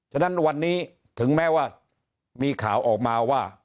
ฉะนั้นวันนี้ถึงแม้ว่ามีข่าวออกมาว่า